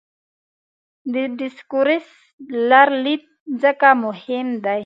د ډسکورس لرلید ځکه مهم دی.